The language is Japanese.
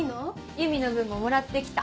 ゆみの分ももらってきた。